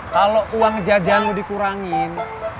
kalo uang jajan lo dikurangin